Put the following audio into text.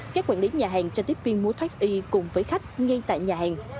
các quản lý nhà hàng cho tiếp viên mua thoát y cùng với khách ngay tại nhà hàng